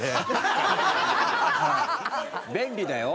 便利だよ？